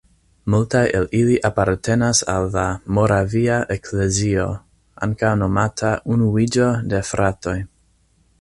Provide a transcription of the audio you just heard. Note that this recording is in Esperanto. Multaj el ili apartenas al la "Moravia Eklezio", ankaŭ nomata Unuiĝo de fratoj.